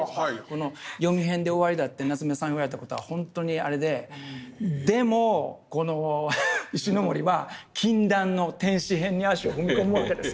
この「ヨミ編」で終わりだって夏目さん言われた事は本当にあれででも石森は「禁断の天使編」に足を踏み込むわけですよ。